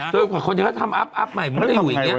ถ้าคนเกิดทำอัปใหม่มันก็จะอยู่อย่างนี้